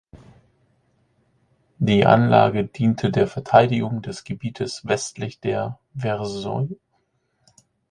Die Anlage diente der Verteidigung des Gebietes westlich der Versoix.